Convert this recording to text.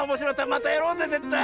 またやろうぜぜったい！